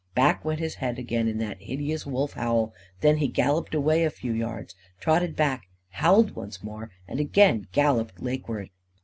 Back went his head again in that hideous wolf howl. Then he galloped away a few yards, trotted back, howled once more, and again galloped lakeward.